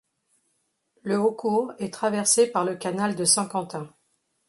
Lehaucourt est traversée par le canal de Saint-Quentin.